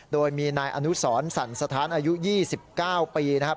โดยมีนายอนุสรสั่นสถานอายุ๒๙ปีนะครับ